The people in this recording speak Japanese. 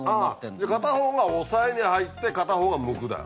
じゃあ片方が押さえに入って片方がむくだよ。